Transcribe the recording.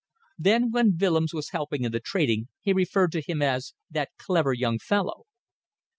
Then when Willems was helping in the trading he referred to him as "that clever young fellow."